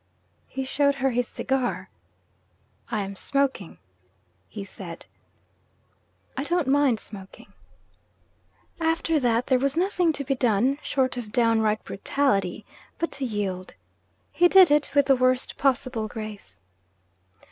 He showed her his cigar. 'I am smoking,' he said. 'I don't mind smoking.' After that, there was nothing to be done (short of downright brutality) but to yield. He did it with the worst possible grace.